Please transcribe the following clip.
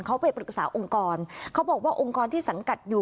เขาไปปรึกษาองค์กรเขาบอกว่าองค์กรที่สังกัดอยู่